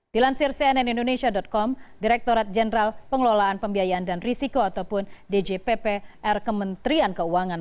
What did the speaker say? dilansir cnn indonesia com direkturat jenderal pengelolaan pembiayaan dan risiko ataupun djppr kementerian keuangan